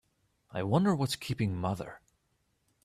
I wonder what's keeping mother?